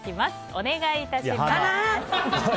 お願いいたします。